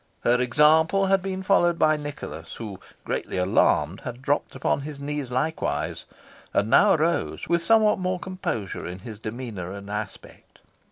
Her example had been followed by Nicholas, who, greatly alarmed, had dropped upon his knees likewise, and now arose with somewhat more composure in his demeanour and aspect.